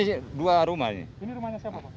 ini rumahnya siapa pak